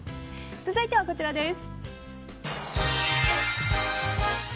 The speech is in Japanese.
続いてはこちらです。